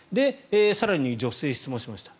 更に女性は質問しました。